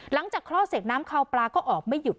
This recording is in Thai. คลอดเสกน้ำคาวปลาก็ออกไม่หยุด